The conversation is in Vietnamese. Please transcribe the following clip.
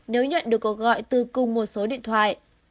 nếu nhận được cuộc gọi từ cùng một số điện thoại